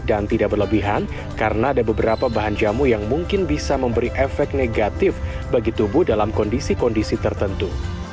dan tidak berlebihan karena ada beberapa bahan jamu yang mungkin bisa memberi efek negatif bagi tubuh dalam kondisi kondisi tertentu